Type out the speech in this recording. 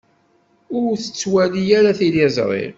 Ur ttwali ara tiliẓri.